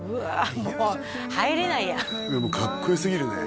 もう入れないやいやもうかっこよすぎるね